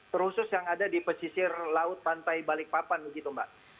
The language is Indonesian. terhusus yang ada di pesisir laut pantai balikpapan begitu mbak